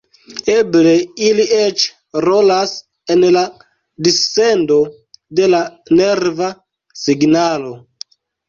Eble ili eĉ rolas en la dissendo de la nerva signalo.